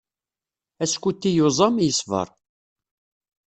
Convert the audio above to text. Askuti yuẓam, yesber.